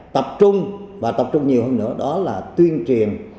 tập trung và tập trung nhiều hơn nữa đó là tuyên truyền